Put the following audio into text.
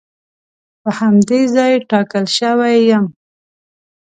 په همدې ځای ټاکل شوی یم.